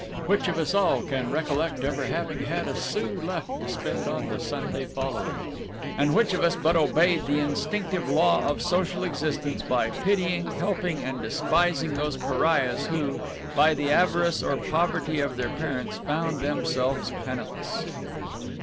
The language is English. Which of us all can recollect ever having had a sou left to spend on the Sunday following? And which of us but obeyed the instinctive law of social existence by pitying, helping, and despising those pariahs who, by the avarice or poverty of their parents, found themselves penniless?